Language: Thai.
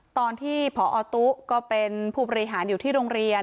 ตอนที่พอตุ๊ก็เป็นผู้บริหารอยู่ที่โรงเรียน